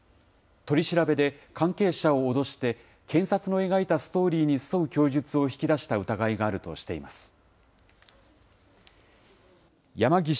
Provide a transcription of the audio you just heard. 取り調べで、関係者を脅して、検察の描いたストーリーに沿う供述を引き出した疑いがあるとしています。